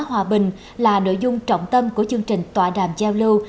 hòa bình là nội dung trọng tâm của chương trình tòa đàm giao lưu